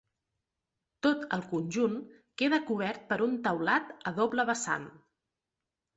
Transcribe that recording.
Tot el conjunt queda cobert per un teulat a doble vessant.